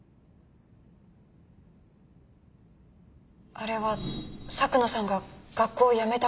あれは佐久野さんが学校を辞めたころでした。